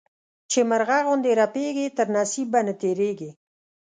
چي مرغه غوندي رپېږي، تر نصيب به نه تيرېږې.